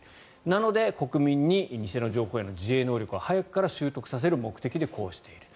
なので国民に偽の情報への自衛能力を早くから習得させる目的でこうしている。